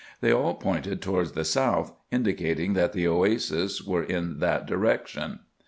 They all pointed towards the south, indicating that the oasis were in that direction.